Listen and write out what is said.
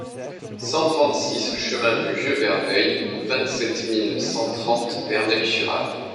cent trente-six chemin du Vieux Verneuil, vingt-sept mille cent trente Verneuil-sur-Avre